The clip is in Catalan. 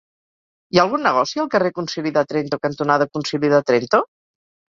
Hi ha algun negoci al carrer Concili de Trento cantonada Concili de Trento?